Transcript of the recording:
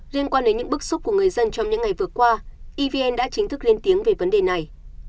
liên quan đến những bức xúc của người dân trong những ngày vừa qua evn đã chính thức lên tiếng về vấn đề này